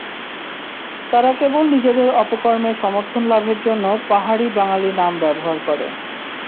তারা কেবল নিজেদের অপকর্মে সমর্থন লাভের জন্য পাহাড়ি-বাঙালি নাম ব্যবহার করে।